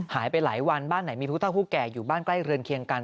หายไปหลายวันบ้านไหนมีผู้เท่าผู้แก่อยู่บ้านใกล้เรือนเคียงกัน